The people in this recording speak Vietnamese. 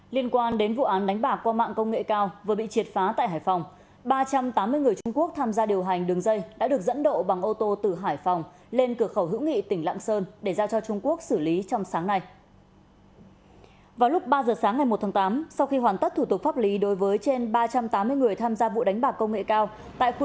liên quan đến vụ án đánh bạc qua mạng công nghệ cao vừa bị triệt phá tại hải phòng ba trăm tám mươi người trung quốc tham gia điều hành đường dây đã được dẫn độ bằng ô tô từ hải phòng lên cửa khẩu hữu nghị tỉnh lạng sơn để ra cho trung quốc xử lý trong sáng nay